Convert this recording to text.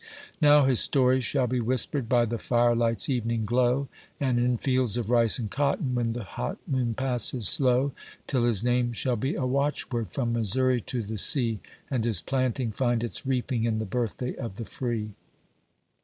71 Now his story shall be whispered by the firelight's evening glow, And in fields of rice and cotton, when the hot noon passes slow, Till his name shall be a watch word from Missouri to the sea, And his planting find its reaping in the birthday of the Free!